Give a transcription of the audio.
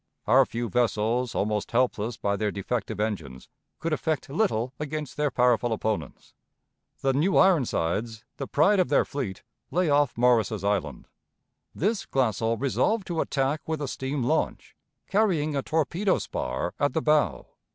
Our few vessels, almost helpless by their defective engines, could effect little against their powerful opponents. The New Ironsides, the pride of their fleet, lay off Morris's Island. This Glassell resolved to attack with a steam launch carrying a torpedo spar at the bow.